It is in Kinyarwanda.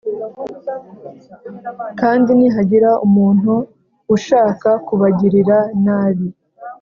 kandi nihagira umuntu ushaka kubagirira nabi,